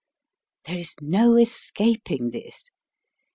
There is no escaping this.